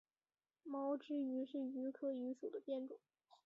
毛枝榆是榆科榆属的变种。